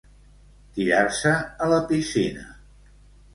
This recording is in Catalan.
Tirar-se a la piscina.